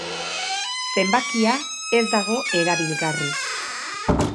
Zenbakia ez dago erabilgarri.